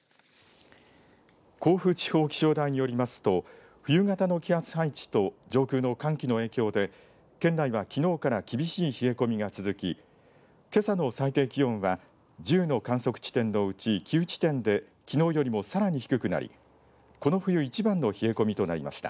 甲府地方気象台によりますと冬型の気圧配置と上空の寒気の影響で県内はきのうから厳しい冷え込みが続きけさの最低気温は１０の観測地点のうち９地点で、きのうよりもさらに低くなり、この冬一番の冷え込みとなりました。